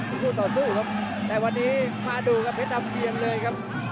คู่ต่อสู้ครับแต่วันนี้มาดูกับเพชรดำเนียนเลยครับ